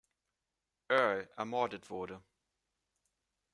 Earl, ermordet wurde.